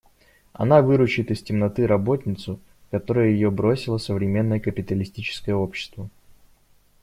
Она выручит из темноты работницу, в которую ее бросило современное капиталистическое общество.